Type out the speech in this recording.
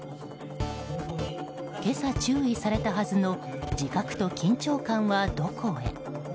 今朝、注意されたはずの自覚と緊張感はどこへ。